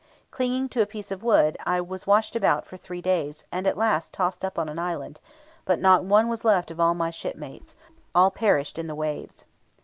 Clinging to a piece of wood, I was washed about for three days, and at last tossed up on an island; but not one was left of all my shipmates all perished in the waves.